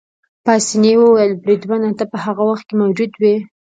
پاسیني وویل: بریدمنه، ته په هغه وخت کې موجود وې؟